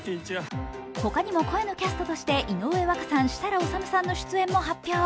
他にも声のキャストとして井上和花さん、設楽統さんの出演も発表。